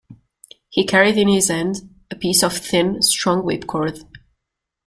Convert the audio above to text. He carried in his hand a piece of thin, strong whipcord.